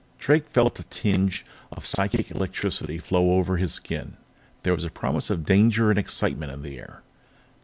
Drake felt a tingle of psychic electricity flow over his skin; there was a promise of danger and excitement in the air.